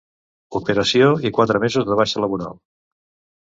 Operació i quatre mesos de baixa laboral.